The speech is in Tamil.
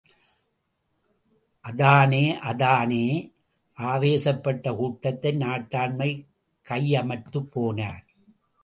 அதானே... அதானே ஆவேசப்பட்ட கூட்டத்தை நாட்டாண்மை கையமர்த்தப் போனார்.